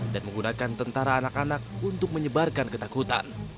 dan menggunakan tentara anak anak untuk menyebarkan ketakutan